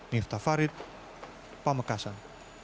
nirta farid pemekasan